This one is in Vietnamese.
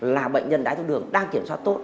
là bệnh nhân đáy thuốc đường đang kiểm soát tốt